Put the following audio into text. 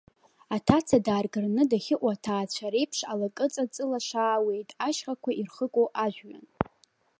Аҭаца дааргараны дахьыҟоу аҭаацәа реиԥш, алакыҵа ҵылашаауеит, ашьхақәа ирхыку ажәҩан.